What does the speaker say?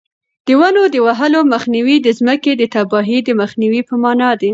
د ونو د وهلو مخنیوی د ځمکې د تباهۍ د مخنیوي په مانا دی.